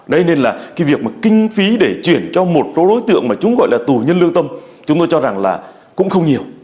đấy nên là cái việc mà kinh phí để chuyển cho một số đối tượng mà chúng gọi là tù nhân lương tâm chúng tôi cho rằng là cũng không nhiều